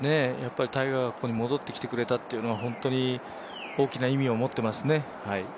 タイガーがここに戻ってきてくれたというのは本当に大きな意味を持っていますね。